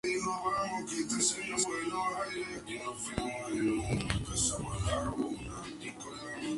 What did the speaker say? El estadio alberga los partidos del F. C. Porto.